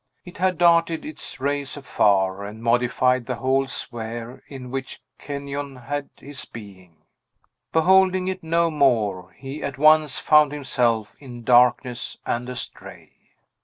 It had darted its rays afar, and modified the whole sphere in which Kenyon had his being. Beholding it no more, he at once found himself in darkness and astray.